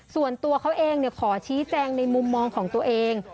ส่วนตัวเขาเองขอชี้แจงในมุมมองของตัวเอง